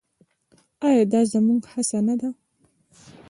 آیا دا زموږ هڅه نه ده؟